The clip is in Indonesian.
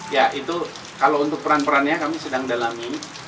ya itu kalau untuk peran perannya kami sedang dalami